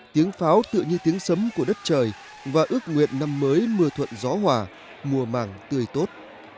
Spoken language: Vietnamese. tiếng pháo tự như tiếng sấm của đất trời và ước nguyện năm mới mưa thuận gió hòa mùa màng tươi tốt